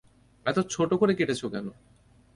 এত ছোট করে কেটেছ কেন?